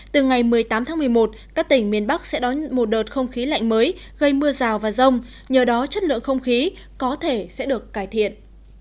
từ ngày một mươi tám tháng một mươi một các tỉnh miền bắc sẽ đón một đợt không khí lạnh mới gây mưa rào và rông nhờ đó chất lượng không khí có thể sẽ được cải thiện